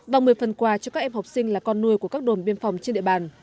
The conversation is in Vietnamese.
và một mươi phần quà cho các em học sinh là con nuôi của các đồn biên phòng trên địa bàn